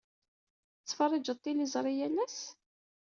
Tettferriǧeḍ tiliẓri yal ass?